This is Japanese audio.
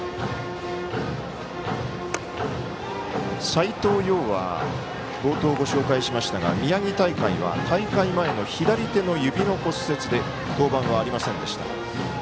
斎藤蓉は、冒頭ご紹介しましたが宮城大会は大会前の左手の指の骨折で登板はありませんでした。